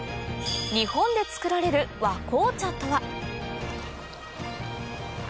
日本で作られる和紅茶とは？